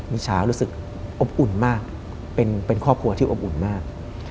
มิชารู้สึกอบอุ่นมากเป็นครอบครัวที่อบอุ่นมาก